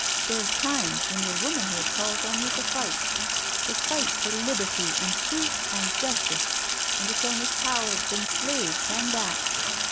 There's times when your womanhood calls on you to fight — to fight for liberty and truth and justice, and it's only cowards and slaves hang back.